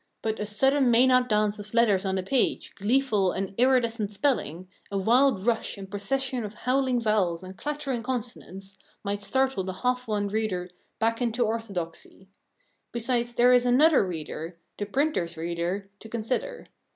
But a sudden Mænad dance of the letters on the page, gleeful and iridescent spelling, a wild rush and procession of howling vowels and clattering consonants, might startle the half won reader back into orthodoxy. Besides, there is another reader the printer's reader to consider.